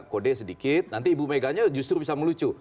kode sedikit nanti ibu meganya justru bisa melucu